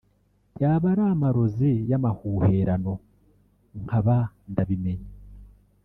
yaba ari amarozi y’amahuherano nkaba ndabimenye